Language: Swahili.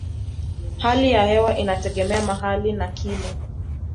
Hali ya hewa inategemea mahali na kimo.